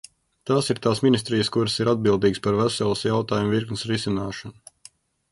Tās ir tās ministrijas, kuras ir atbildīgas par veselas jautājumu virknes risināšanu.